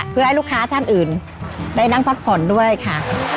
เพื่อให้ลูกค้าท่านอื่นได้นั่งพักผ่อนด้วยค่ะ